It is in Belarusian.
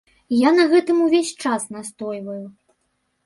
Я на гэтым увесь час настойваю.